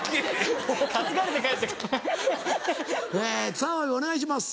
澤部お願いします。